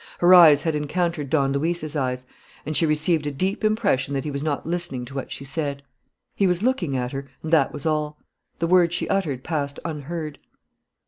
Her eyes had encountered Don Luis's eyes; and she received a deep impression that he was not listening to what she said. He was looking at her; and that was all. The words she uttered passed unheard.